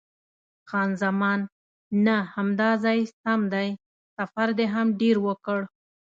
خان زمان: نه، همدا ځای سم دی، سفر دې هم ډېر وکړ.